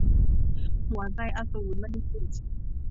หัวใจอสูร - มณีบุษย์